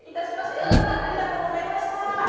山中さんありがとうございました。